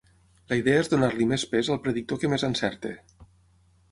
La idea és donar-li més pes al predictor que més encerti.